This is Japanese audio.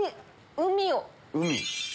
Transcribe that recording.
海。